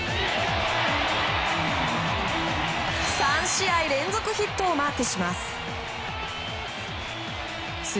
３試合連続ヒットをマークします。